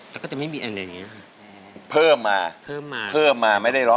แล้วก็จะไม่มีอันอย่างนี้